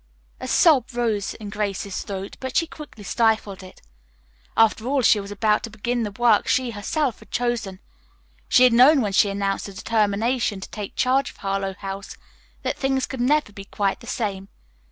A sob rose in Grace's throat, but she quickly stifled it. After all she was about to begin the work she herself had chosen. She had known when she announced her determination to take charge of Harlowe House that things could never be quite the same.